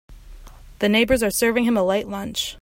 The neighbors are serving him a light lunch.